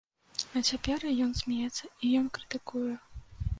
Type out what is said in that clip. А цяпер і ён смяецца, і ён крытыкуе.